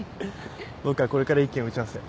僕はこれから１件打ち合わせ。